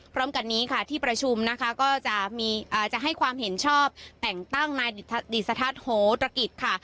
พร้อมกันนี้ค่ะที่ประชุมนะคะก็จะให้ความเห็นชอบแต่งตั้งนายดิสทัศน์โหตรกิจค่ะ